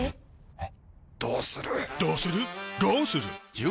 えっ！